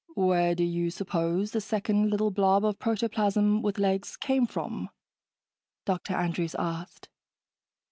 "Where do you suppose the second little blob of protoplasm with legs came from?" Dr. Andrews asked.